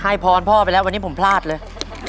พรพ่อไปแล้ววันนี้ผมพลาดเลย